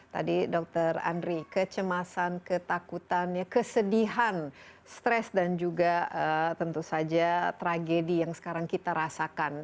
tadi dokter andri kecemasan ketakutan kesedihan stres dan juga tentu saja tragedi yang sekarang kita rasakan